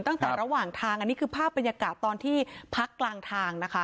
ตั้งแต่ระหว่างทางอันนี้คือภาพบรรยากาศตอนที่พักกลางทางนะคะ